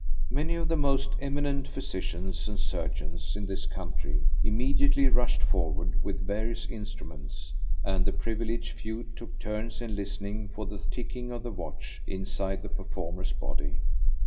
Many of the most eminent physicians and surgeons in this country immediately rushed forward with various instruments, and the privileged few took turns in listening for the ticking of the watch inside the performer's body.